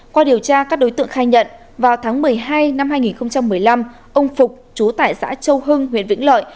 qua điều tra các đối tượng khai nhận vào tháng một mươi hai năm hai nghìn một mươi năm ông phục chú tại xã châu hưng huyện vĩnh lợi